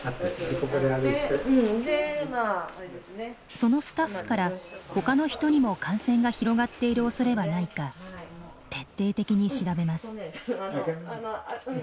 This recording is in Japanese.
そのスタッフからほかの人にも感染が広がっているおそれはないか徹底的に調べます。